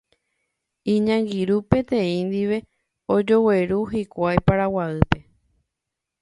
Iñangirũ peteĩ ndive ojogueru hikuái Paraguaýpe.